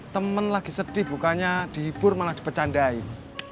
temen lagi sedih bukannya dihibur malah dipecandain